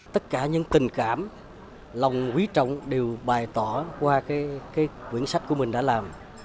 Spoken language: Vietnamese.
tất cả những tình cảm lòng quý trọng đều bài tỏ qua cuốn sách của mình đã làm